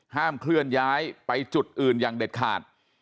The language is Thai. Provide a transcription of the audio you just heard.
ห้ามเคลื่อนย้ายไปจุดอื่นอย่างเด็ดขาด